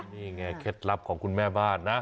นี่ไงเคล็ดลับของคุณแม่บ้านนะ